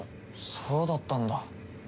そうだったんだ。